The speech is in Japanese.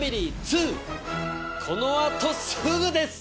このあとすぐです！